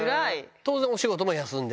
当然お仕事も休んで？